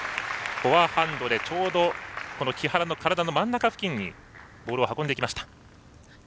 フォアハンドでちょうど木原の体の真ん中付近にボールを運んでいきました。